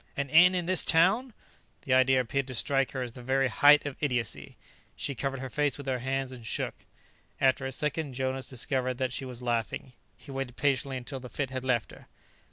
"An inn in this town?" The idea appeared to strike her as the very height of idiocy. She covered her face with her hands and shook. After a second Jonas discovered that she was laughing. He waited patiently until the fit had left her.